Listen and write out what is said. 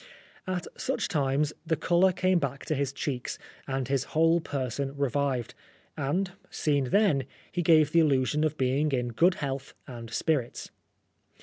At such times the colour came back to his cheeks, and his whole person revived, and, seen then, he gave the illusion of being in good health and spirits.